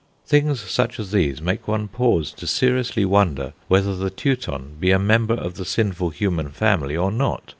Things such as these make one pause to seriously wonder whether the Teuton be a member of the sinful human family or not.